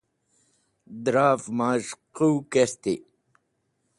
Dra’v maz̃h qũw kerti.